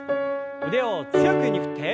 腕を強く上に振って。